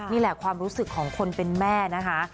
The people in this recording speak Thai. นี่แหละความรู้สึกของคนเป็นแม่นะคะ